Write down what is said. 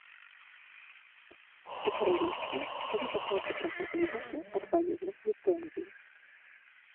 У каралеўстве ўжо пачаўся працэс выдачы адпаведных ліцэнзій.